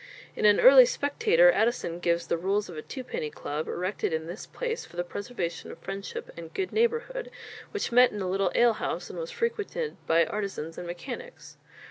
In an early Spectator, Addison gives the rules of a "Twopenny Club, erected in this Place, for the Preservation of Friendship and good Neighbourhood," which met in a little ale house and was frequented by artisans and mechanics.